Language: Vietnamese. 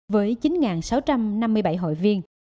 với chín sáu trăm năm mươi bảy hội viên